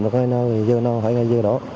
để coi nào giờ nào hãy ngay giờ đó